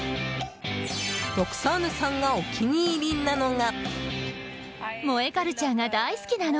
ロクサーヌさんがお気に入りなのが。